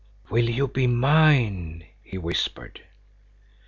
"Will you be mine?" he whispered.